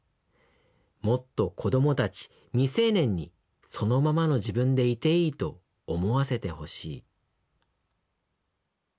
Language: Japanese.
もっと子どもたち未成年にそのままの自分でいていいと思わせてほしい」。